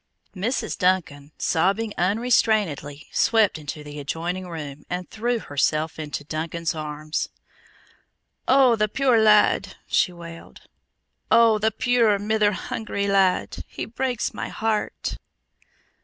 Mrs. Duncan, sobbing unrestrainedly, swept into the adjoining room and threw herself into Duncan's arms. "Oh, the puir lad!" she wailed. "Oh, the puir mither hungry lad! He breaks my heart!"